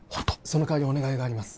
その代わりお願いがあります